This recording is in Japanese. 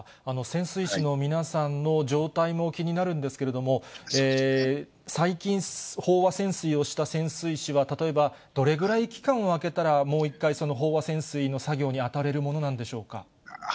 潜水士の皆さんの状態も気になるんですけれども、最近、飽和潜水をした潜水士は、例えば、どれぐらい期間を空けたら、もう一回、飽和潜水の作業に当たれるものなんでしょうか。